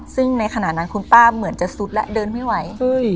ซึ่งในขณะนั้นคุณป้าเหมือนจะซุดและเดินไม่ไหว